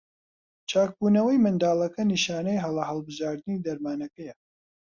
چاکنەبوونەوەی منداڵەکە نیشانەی هەڵە هەڵبژاردنی دەرمانەکەیە.